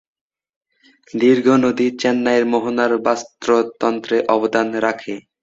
দীর্ঘ নদী চেন্নাইয়ের মোহনার বাস্তুতন্ত্রে অবদান রাখে।